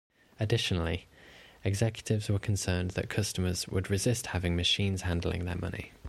Additionally, executives were concerned that customers would resist having machines handling their money.